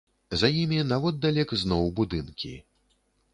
За імі, наводдалек, зноў будынкі.